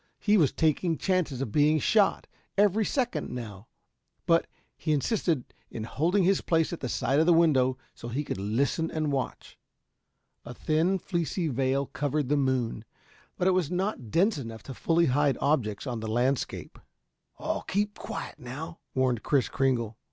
He was taking chances of being shot, every second now, but he insisted in holding his place at the side of the window so he could listen and watch. A thin, fleecy veil covered the moon, but it was not dense enough to fully hide objects on the landscape. "All keep quiet, now," warned Kris Kringle.